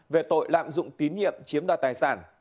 về tội lạm dụng tín nhiệm chiếm đoạt tài sản